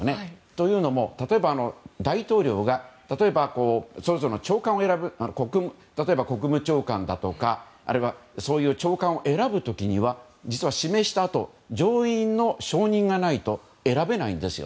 というのも大統領が例えば、長官を選ぶ例えば国務長官だとかあるいは長官を選ぶ時には実は指名したあと上院の承認がないと選べないんです。